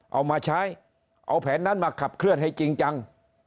เอามาใช้เอาแผนนั้นมาขับเคลื่อนให้จริงจัง